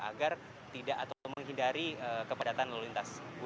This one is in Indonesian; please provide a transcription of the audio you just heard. agar tidak atau menghindari kepadatan lalu lintas